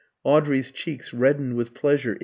Audrey's cheeks reddened with pleasure.